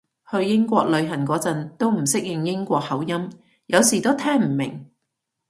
去英國旅行嗰陣都唔適應英國口音，有時都聽唔明